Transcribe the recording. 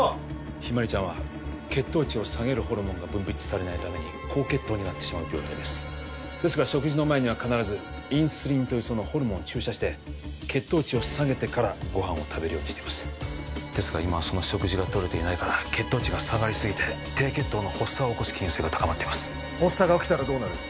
日葵ちゃんは血糖値を下げるホルモンが分泌されないために高血糖になってしまう病態ですですから食事の前には必ずインスリンというそのホルモンを注射して血糖値を下げてからご飯を食べるようにしていますですが今はその食事が取れていないから血糖値が下がりすぎて低血糖の発作を起こす危険性が高まっています発作が起きたらどうなる？